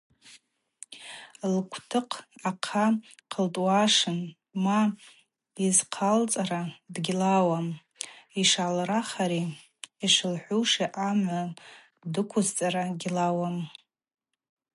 Лгвтыхъ ахъа хъылтӏуашын – Ма, йыззхъалцӏара дгьлауам, Йшгӏалрахари йшылхӏвуши Амгӏва дыквызцӏара гьлауам.